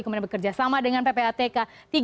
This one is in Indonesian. kemudian bekerja sama dengan ppatk